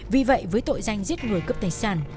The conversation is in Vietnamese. vì vậy với tội danh giết người cướp tài sản